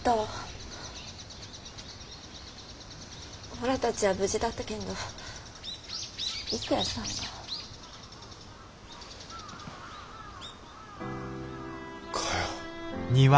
おらたちは無事だったけんど郁弥さんが。かよ。